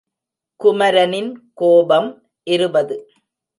குமரனின் கோபம் இருபது.